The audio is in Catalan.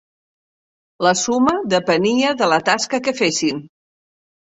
La suma depenia de la tasca que fessin.